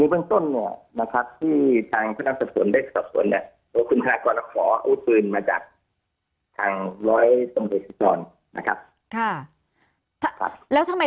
ในส่วนของทางคุณธนากรคุณธนากรได้ให้ปาก